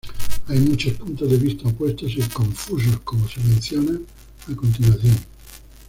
Hay muchos puntos de vista opuestos y confusos, como se menciona a continuación.